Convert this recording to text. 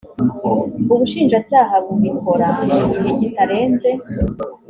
ubushinjacyaha bubikora mu gihe kitarenze